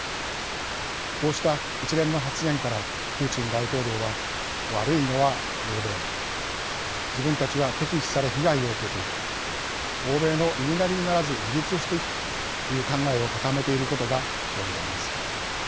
こうした一連の発言からプーチン大統領は悪いのは欧米自分たちは敵視され被害を受けている欧米の言いなりにならず自立していくという考えを固めていることが読み取れます。